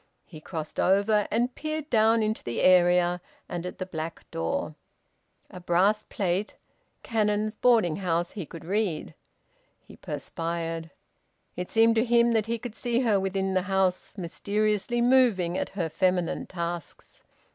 He crossed over and peered down into the area and at the black door. A brass plate: "Cannon's Boarding House," he could read. He perspired. It seemed to him that he could see her within the house, mysteriously moving at her feminine tasks.